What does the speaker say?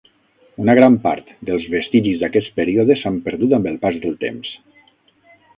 Una gran part dels vestigis d'aquest període s'han perdut amb el pas del temps.